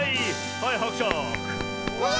はいはくしゃく。